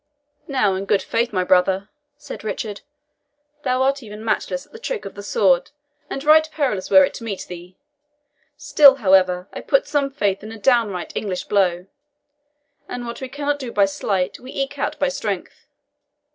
"Now, in good faith, my brother," said Richard, "thou art even matchless at the trick of the sword, and right perilous were it to meet thee! Still, however, I put some faith in a downright English blow, and what we cannot do by sleight we eke out by strength.